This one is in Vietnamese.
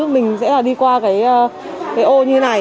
mình sẽ đi qua cái ô như thế này